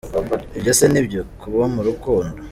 Ibyo se nibyo "kuba mu rukundo?".